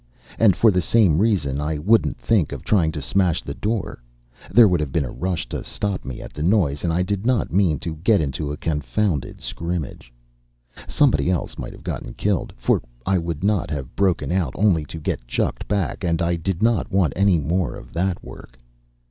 And for the same reason I wouldn't think of trying to smash the door. There would have been a rush to stop me at the noise, and I did not mean to get into a confounded scrimmage. Somebody else might have got killed for I would not have broken out only to get chucked back, and I did not want any more of that work.